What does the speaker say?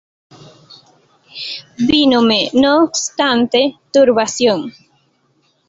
Vínome no obstante turbación.